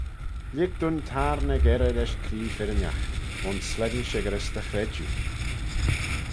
Lhig dooin tayrn er-gerrey lesh cree firrinagh; ayns slane shickyrys dy chredjue.